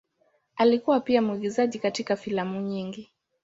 Alikuwa pia mwigizaji katika filamu nyingi.